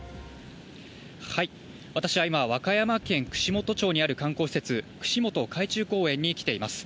はい、私は今、和歌山県串本町にある観光施設・串本海中公園に来ています。